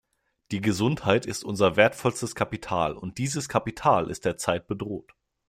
Die Gesundheit ist unser wertvollstes Kapital und dieses Kapital ist derzeit bedroht.